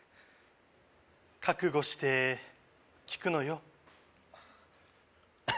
覚悟して聞くのよ